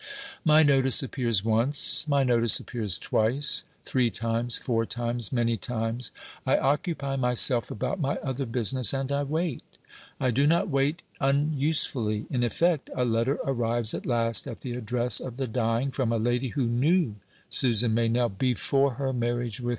My notice appears once, my notice appears twice, three times, four times, many times. I occupy myself about my other business, and I wait. I do not wait unusefully. In effect, a letter arrives at last at the address of the dying, from a lady who knew Susan Meynell _before her marriage with M.